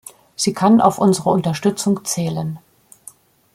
Sie kann auf unsere Unterstützung zählen.